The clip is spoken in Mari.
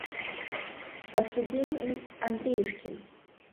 — Подсудимый Андреюшкин.